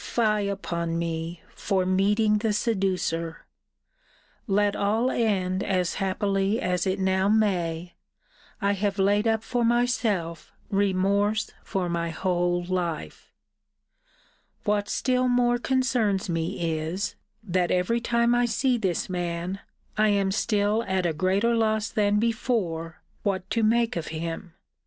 Fie upon me! for meeting the seducer! Let all end as happily as it now may, I have laid up for myself remorse for my whole life. What still more concerns me is, that every time I see this man, I am still at a greater loss than before what to make of him.